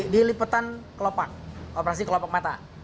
dilipetan kelopak operasi kelopak mata